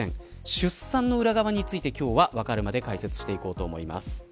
出産の裏側について今日は、わかるまで解説していこうと思います。